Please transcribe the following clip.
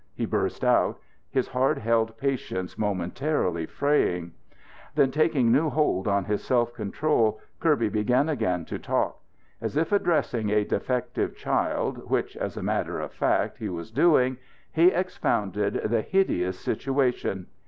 he burst out, his hard held patience momentarily fraying. Then, taking new hold on his self control, Kirby began again to talk. As if addressing a defective child, which, as a matter of fact, he was doing, he expounded the hideous situation.